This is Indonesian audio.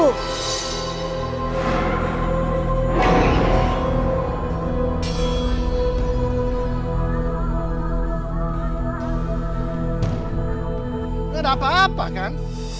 tidak apa apa kan